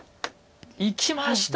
いきました。